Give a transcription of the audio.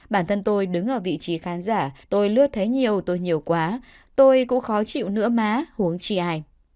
bản thân tôi đứng ở vị trí khán giả tôi lướt thấy nhiều tôi nhiều quá tôi cũng khó chịu nữa má uống chi ai